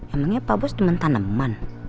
emangnya pak bos temen taneman